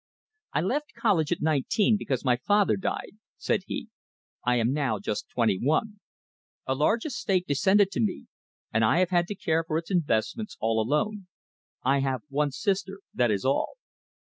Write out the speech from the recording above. "I left college at nineteen because my father died," said he. "I am now just twenty one. A large estate descended to me, and I have had to care for its investments all alone. I have one sister, that is all."